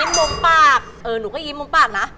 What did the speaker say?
สอนให้หนูยิ้มมุมปากเออหนูก็ยิ้มมุมปากนะ